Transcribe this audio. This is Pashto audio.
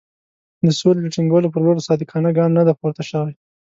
د سولې د ټینګولو پر لور صادقانه ګام نه دی پورته شوی.